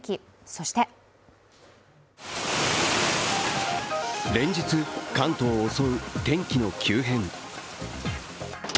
そして連日、関東を襲う天気の急変。